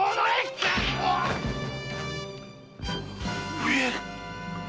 上！